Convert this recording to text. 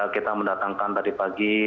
kita mendatangkan tadi pagi